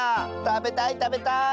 たべたいたべたい！